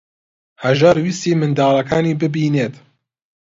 هەژار ویستی منداڵەکانی ببینێت.